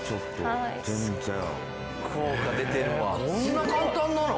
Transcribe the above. えこんな簡単なの？